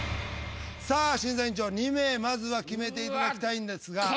さあ審査委員長２名まずは決めていただきたいんですが。